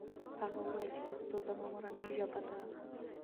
هغه وویل چې پښتو زما مورنۍ ژبه ده.